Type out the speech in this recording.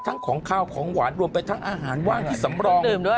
ของขาวของหวานรวมไปทั้งอาหารว่างที่สำรองด้วย